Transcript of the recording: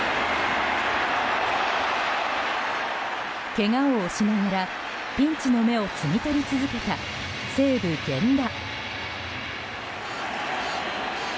けがを押しながらピンチの芽を摘み取り続けた西武、源田。